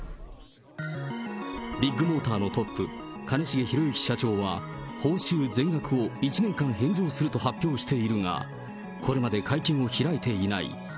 ビッグモーターのトップ、兼重宏行社長は、報酬全額を１年間返上すると発表しているが、これまで会見を開いていない。